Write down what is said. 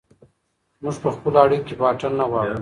موږ په خپلو اړیکو کې واټن نه غواړو.